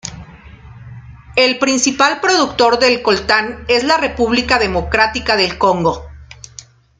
El principal productor del Coltán es la República Democrática del Congo.